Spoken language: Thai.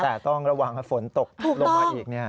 แต่ต้องระวังถ้าฝนตกลงมาอีก